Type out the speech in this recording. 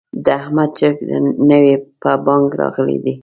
د احمد چرګ نوی په بانګ راغلی دی.